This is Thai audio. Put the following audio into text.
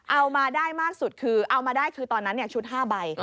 เอามาได้มากสุดคือเอามาได้คือตอนนั้นชุด๕ใบ